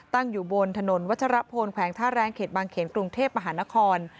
ตั้งอยู่บนถนนวัชรพลแขวงท่าแรงเขตบางเขนกรุงเทพมหานคร